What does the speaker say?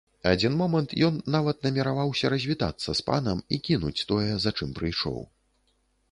Адзін момант ён нават намерваўся развітацца з панам і кінуць тое, за чым прыйшоў.